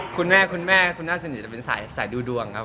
คุณแม่คุณแม่คุณน่าสนิทจะเป็นสายดูดวงครับ